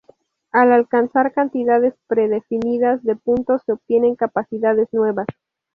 Al alcanzar cantidades predefinidas de puntos se obtienen capacidades nuevas.